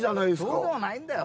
そうでもないんだよ。